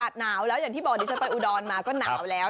หนาวแล้วอย่างที่บอกดิฉันไปอุดรมาก็หนาวแล้ว